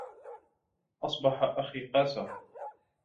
أصبح أخي قسا.